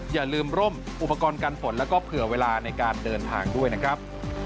อย่าลืมร่มอุปกรณ์การฝนแล้วก็เผื่อเวลาในการเดินทางด้วยนะครับ